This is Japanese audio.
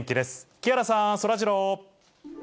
木原さん、そらジロー。